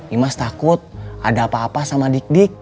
imas takut ada apa apa sama dikdik